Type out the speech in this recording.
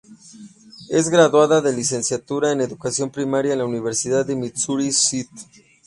Es graduada de licenciatura en educación primaria en la Universidad de Missouri-St.